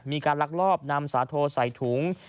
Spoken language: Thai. มีการลักลอบนำสาโทใส่ถุง